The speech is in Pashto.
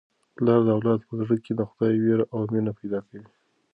پلار د اولاد په زړه کي د خدای وېره او مینه پیدا کوي.